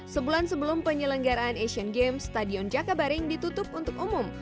sebulan sebelum penyelenggaraan asian games stadion jakabaring ditutup untuk umum